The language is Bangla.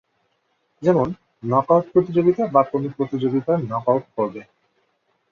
যেমন, নকআউট প্রতিযোগিতা বা কোনো প্রতিযোগিতার নকআউট পর্বে।